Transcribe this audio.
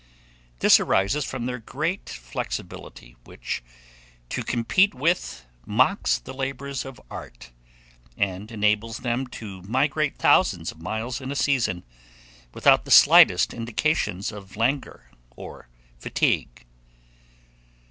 This arises from their great flexibility, which, to compete with mocks the labours of art, and enables them to migrate thousands of miles in a season, without the slightest indications of languor or fatigue.